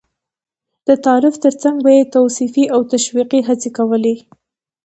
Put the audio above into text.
د تعارف تر څنګ به یې توصيفي او تشويقي هڅې کولې.